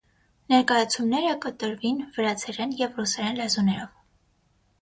Ներկայացումները կը տրուին վրացերէն եւ ռուսերէն լեզուներով։